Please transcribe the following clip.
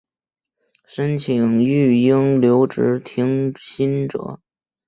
申请育婴留职停薪者